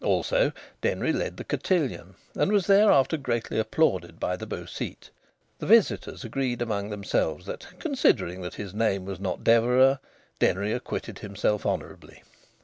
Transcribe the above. Also, Denry led the cotillon, and was thereafter greatly applauded by the Beau Site. The visitors agreed among themselves that, considering that his name was not Deverax, Denry acquitted himself honourably.